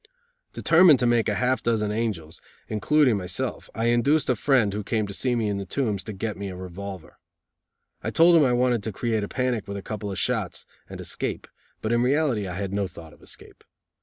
Determined to make half a dozen angels, including myself, I induced a friend, who came to see me in the Tombs, to get me a revolver. I told him I wanted to create a panic with a couple of shots, and escape, but in reality I had no thought of escape.